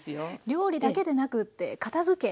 料理だけでなくって片づけ